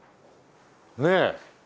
ねえ。